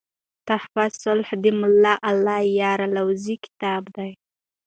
"تحفه صالح" دملا الله یار الوزي کتاب دﺉ.